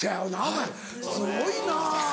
お前すごいな。